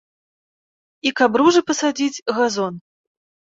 І каб ружы пасадзіць, газон.